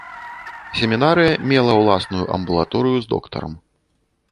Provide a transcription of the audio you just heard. Семінарыя мела ўласную амбулаторыю з доктарам.